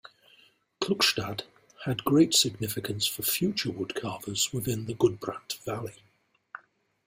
Klukstad had great significance for future wood carvers within the Gudbrand Valley.